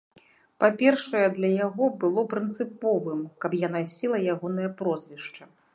Па-першае, для яго было прынцыповым, каб я насіла ягонае прозвішча.